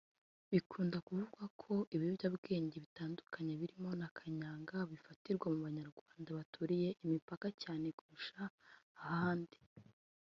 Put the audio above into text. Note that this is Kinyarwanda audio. Bikunda kuvugwa ko ibiyobyabwenge bitandukanye birimo na Kananga bifatirwa mu Banyarwanda baturiye imipaka cyane kurusha ahandi